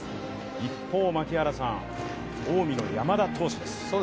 一方、槙原さん、近江の山田投手です。